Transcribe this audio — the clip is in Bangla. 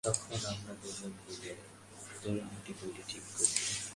তখন আমরা দু জন মিলে ত্রুটিগুলি ঠিক করব।